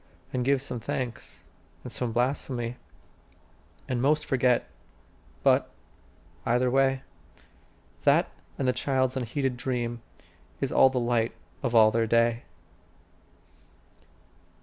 And give some thanks, and some blaspheme, And most forget, but, either way, That and the child's unheeded dream Is all the light of all their day.